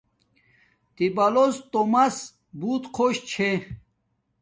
تبلوڎ تومس بوت خوش چھے